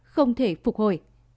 không thể phục hồi